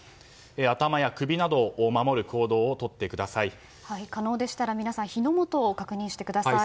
頭や首などを守る行動をとってください。